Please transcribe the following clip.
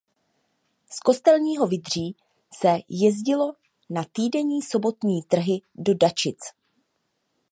Z Kostelního Vydří se jezdilo na týdenní sobotní trhy do Dačic.